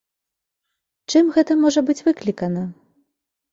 Чым гэта можа быць выклікана?